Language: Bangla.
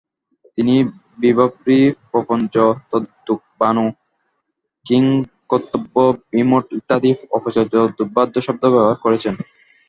তিনি বিভাবরী, প্রপঞ্চ, তদ্ধেতুক, ভাণু, কিংকর্তব্যবিমূঢ় ইত্যাদি অপ্রচলিত দুর্বোধ্য শব্দ ব্যবহার করেছেন।